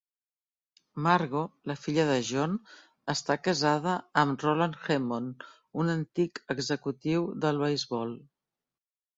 Margo, la filla de John, està casada amb Roland Hemond, un antic executiu del beisbol.